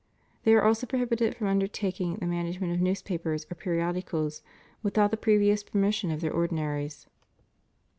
They are also prohibited from undertaking the manage ment of newspapers or periodicals without the previoug permission of their ordinaries.